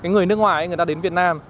người nước ngoài người ta đến việt nam